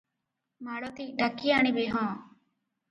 ମାଳତୀ- ଡାକି ଆଣିବେ ହଁ!